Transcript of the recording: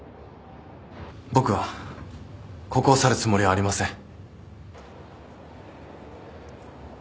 僕はここを去るつもりはありません。